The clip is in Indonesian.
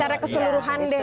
iya secara keseluruhan deh